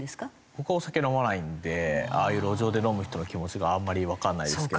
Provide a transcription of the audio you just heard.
僕はお酒飲まないんでああいう路上で飲む人の気持ちがあんまりわかんないですけど。